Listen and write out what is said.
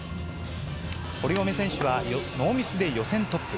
堀米選手はノーミスで予選トップ。